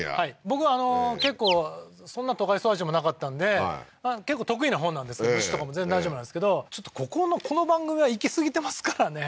僕は結構そんな都会育ちでもなかったんで結構得意なほうなんですけど虫とかも全然大丈夫なんですけどちょっとここのこの番組はいきすぎてますからね